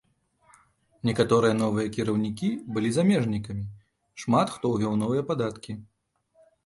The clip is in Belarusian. Некаторыя новыя кіраўнікі была замежнікамі, шмат хто ўвёў новыя падаткі.